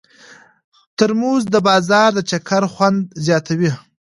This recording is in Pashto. ترموز د بازار د چکر خوند زیاتوي.